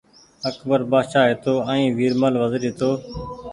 اڪبر بآڇآ هيتو ائين ويرمل وزير هيتو